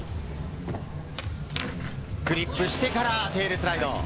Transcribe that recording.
フリップしてからテールスライド。